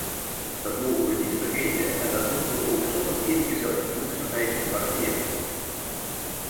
Dat mogen we niet vergeten en dat moeten we ook zonder enige zelfgenoegzaamheid waarderen.